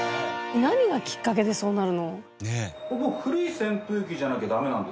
何がきっかけでそうなるの？